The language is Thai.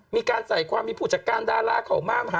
มีการใส่ความมีผู้จัดการดาราเข้ามามหา